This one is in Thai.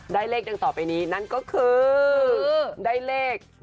ได้เลขเรื่องต่อไปนี้นั่นก็คือ